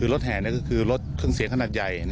รถแห่ก็คือรถเครื่องเสียงขนาดใหญ่